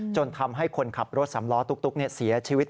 จนทำให้คนขับรถสำล้อตุ๊กเสียชีวิต